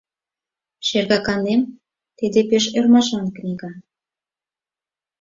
Шергаканем, тиде пеш ӧрмашан книга”.